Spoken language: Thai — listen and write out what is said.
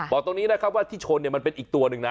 บอกตรงนี้นะครับว่าที่ชนเนี่ยมันเป็นอีกตัวหนึ่งนะ